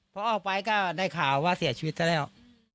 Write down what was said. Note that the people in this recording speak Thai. พอออกไปก็ได้ข่าวว่าเสียชีวิตซะแล้ว